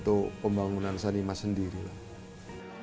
untuk pembangunan sanimas sendiri lah